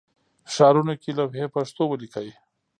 ښارونو کې لوحې پښتو ولیکئ